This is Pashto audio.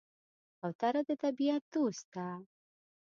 کوتره د طبیعت دوست ده.